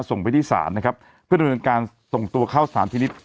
ส่งไปที่ศาลนะครับเพื่อดำเนินการส่งตัวเข้าสถานพินิษฐ์